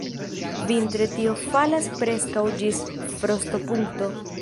Vintre tio falas preskaŭ ĝis frostopunkto.